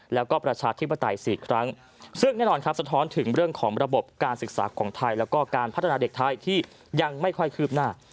แล้วก็ประชาธิปไตย๔ครั้งซึ่งแน่นอนครับสะท้อนถึงเรื่องของระบบการศึกษาของไทยแล้วก็การพัฒนาเด็กไทยที่ยังไม่ค่อยคืบหน้า